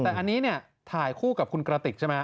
แต่อันนี้เนี่ยถ่ายคู่กับคุณกระติกใช่ไหม